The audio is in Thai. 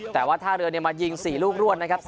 แต่ว่าท่าเรือมายิง๔ลูกรวดนะครับ